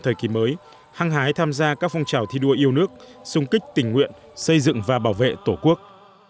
thời kỳ mới hăng hái tham gia các phong trào thi đua yêu nước xung kích tình nguyện xây dựng và bảo vệ tổ quốc